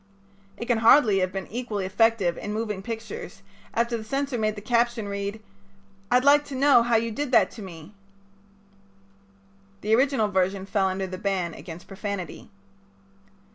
It can hardly have been equally effective in moving pictures after the censor made the caption read: "I'd like to know how you did that to me." The original version fell under the ban against profanity.